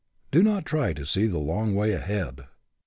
Do not try to see a long way ahead.